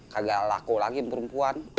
kagak laku lagi perempuan